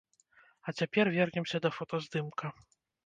А цяпер вернемся да фотаздымка.